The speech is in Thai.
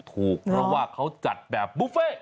เพราะว่าเค้าจัดแบบบุฟเฟต์